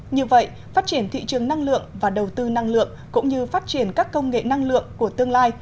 như vậy phát triển thị trường năng lượng và đầu tư năng lượng cũng như phát triển các công nghệ năng lượng của tương lai